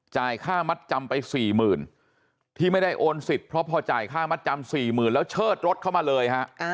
ค่ามัดจำไป๔๐๐๐ที่ไม่ได้โอนสิทธิ์เพราะพอจ่ายค่ามัดจำ๔๐๐๐แล้วเชิดรถเข้ามาเลยฮะ